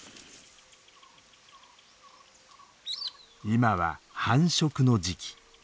今は繁殖の時期。